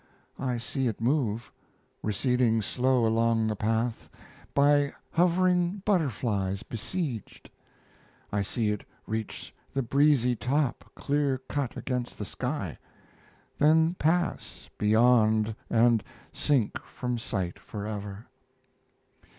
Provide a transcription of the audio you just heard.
I see it move, receding slow along the path, By hovering butterflies besieged; I see it reach The breezy top clear cut against the sky,... Then pass beyond and sink from sight forever!